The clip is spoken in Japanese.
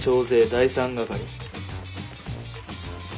第三係。